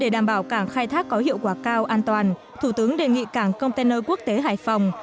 để đảm bảo cảng khai thác có hiệu quả cao an toàn thủ tướng đề nghị cảng container quốc tế hải phòng